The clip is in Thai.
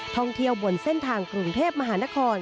ท่องเที่ยวบนเส้นทางกรุงเทพมหานคร